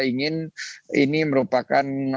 ingin ini merupakan